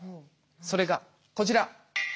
それがこちら。